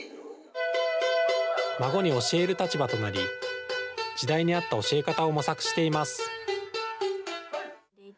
孫に教える立場となり、時代に合った教え方を模索しています。